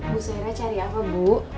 bu saira cari apa bu